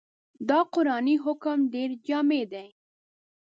دا قرآني حکم ډېر جامع دی.